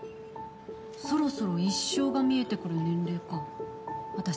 そろそろ一生が見えてくる年齢か。